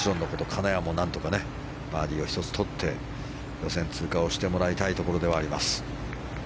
金谷も何とかバーディーを１つとって予選通過をしてもらいたいところではあります。